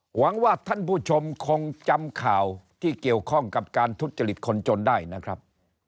หวังว่าท่านผู้ชมคงจำข่าวที่เกี่ยวข้องกับการทุจริตคนจนได้นะครับ